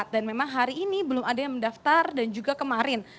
dan memang hari ini belum ada yang mendaftar dan juga kemarin